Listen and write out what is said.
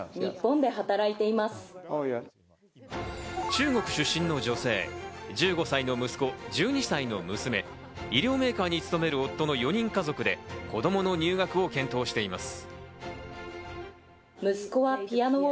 中国出身の女性、１５歳の息子、１２歳の娘、医療メーカーに勤める夫の４人家族で子供の入学を検討しています。